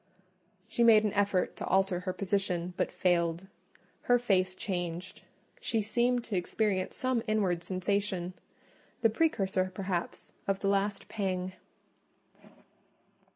She made an effort to alter her position, but failed: her face changed; she seemed to experience some inward sensation—the precursor, perhaps, of the last pang.